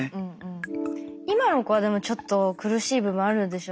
今の子はでもちょっと苦しい部分あるんでしょうね。